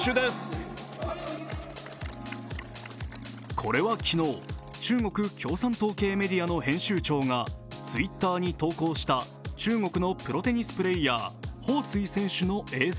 これは昨日、中国共産党系メディアの編集長がＴｗｉｔｔｅｒに投稿した中国のプロテニスプレーヤー、彭帥選手の映像。